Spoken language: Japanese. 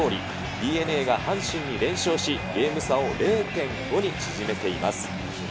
ＤｅＮＡが阪神に連勝し、ゲーム差を０．５に縮めています。